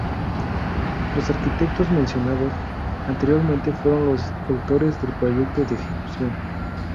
Los arquitectos mencionados anteriormente fueron los autores del Proyecto de Ejecución.